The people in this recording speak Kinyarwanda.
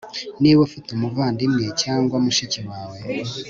niba ufite umuvandimwe cyangwa mushiki wawe